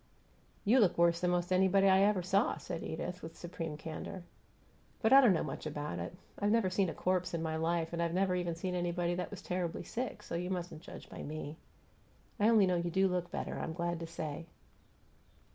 "You look worse than 'most anybody I ever saw," said Edith, with supreme candor. "But I don't know much about it. I've never seen a corpse in my life, and I've never even seen anybody that was terribly sick, so you mustn't judge by me. I only know you do look better, I'm glad to say.